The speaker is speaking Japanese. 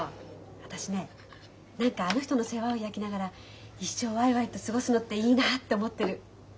私ね何かあの人の世話を焼きながら一生わいわいと過ごすのっていいなって思ってる。